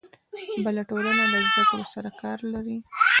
بله ټولنه له زده کړو سره کار لري.